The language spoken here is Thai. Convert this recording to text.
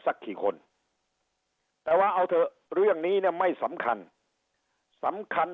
สักกี่คนแต่ว่าเอาเถอะเรื่องนี้เนี่ยไม่สำคัญสำคัญ